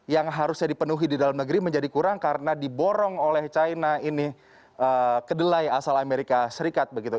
yang harusnya dipenuhi di dalam negeri menjadi kurang karena diborong oleh china ini kedelai asal amerika serikat begitu